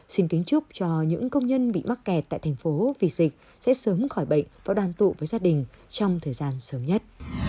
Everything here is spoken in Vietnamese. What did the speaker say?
xin kính chúc cho những công nhân bị mắc kẹt tại thành phố vì dịch sẽ sớm khỏi bệnh và đoàn tụ với gia đình trong thời gian sớm nhất